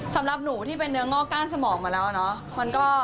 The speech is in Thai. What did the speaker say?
สำหรับหนูที่เป็นเนื้องอกก้านสมองมาแล้วเนาะ